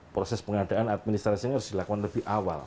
proses pengadaan administrasinya harus dilakukan lebih awal